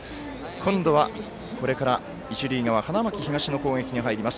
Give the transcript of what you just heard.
今度はこれから一塁側花巻東の攻撃に入ります。